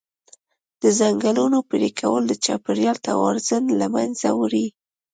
د ځنګلونو پرېکول د چاپېریال توازن له منځه وړي.